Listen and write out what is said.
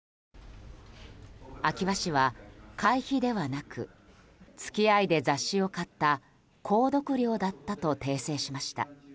秋葉氏は会費ではなく付き合いで雑誌を買った購読料だったと訂正しました。